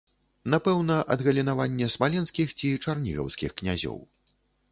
Напэўна, адгалінаванне смаленскіх ці чарнігаўскіх князёў.